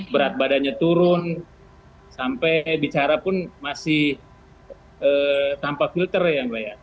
berat badannya turun sampai bicara pun masih tanpa filter ya mbak ya